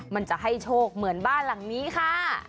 มันจะให้โชคเหมือนบ้านหลังนี้ค่ะ